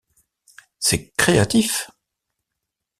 C’est créatif.